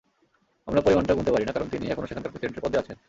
আমরা পরিমাণটা গুনতে পারি না, কারণ তিনি এখনো সেখানকার প্রেসিডেন্টের পদে আছেন।